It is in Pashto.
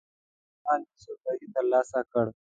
دغه جنرال یو څه بری ترلاسه کړ.